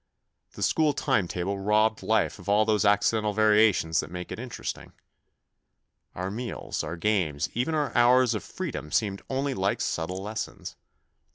The school time table robbed life of all those accidental variations that make it interesting. Our meals, our games, even our hours of freedom seemed only like subtle lessons.